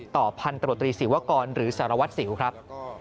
พันตรวจตรีศิวกรหรือสารวัตรสิวครับ